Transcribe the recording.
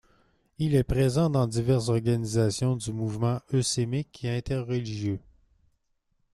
Il est présent dans diverses organisations du mouvement œcuménique et interreligieux.